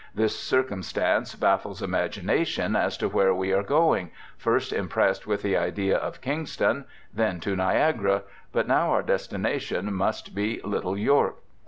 This circumstance baffles imagination as to where we are going — first impressed with the idea of Kingston — then to Niagara — but now our destination must be ' Little York